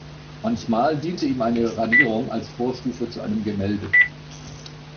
Manchmal diente ihm eine Radierung als Vorstufe zu einem Gemälde.